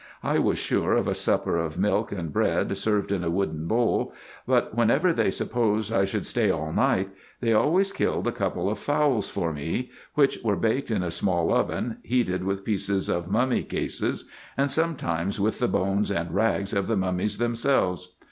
I was sure of a supper of milk and bread served in a wooden bowl ; but whenever they supposed I should stay all night, they always killed a couple of fowls for me, which were baked in a small oven heated with pieces of mummy cases, and sometimes with the bones and rags of the mummies themselves.